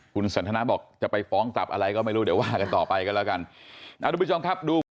คุณสันทนาบอกจะไปฟ้องกลับอะไรก็ไม่รู้เดี๋ยวว่ากันต่อไปกันแล้วกัน